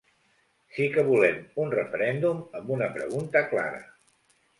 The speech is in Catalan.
Sí que volem un referèndum, amb una pregunta clara.